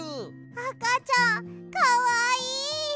あかちゃんかわいい！